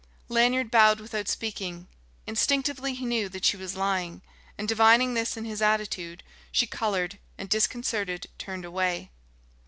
Lanyard bowed without speaking. Instinctively he knew that she was lying; and divining this in his attitude, she coloured and, disconcerted, turned away.